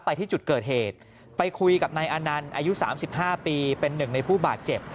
ไปที่จุดเกิดเหตุไปคุยกับนายอานันต์อายุ๓๕ปีเป็นหนึ่งในผู้บาดเจ็บ